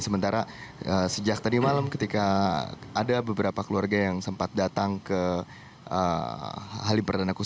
sementara sejak tadi malam ketika ada beberapa keluarga yang sempat datang ke halim perdana kusuma